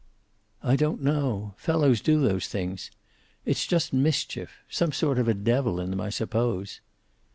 "I don't know. Fellows do those things. It's just mischief some sort of a devil in them, I suppose."